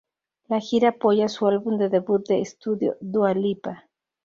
La gira apoya su álbum de debut de estudio "Dua Lipa".